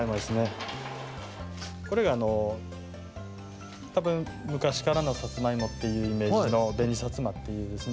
これがあのたぶんむかしからのさつまいもっていうイメージの「紅さつま」っていうですね。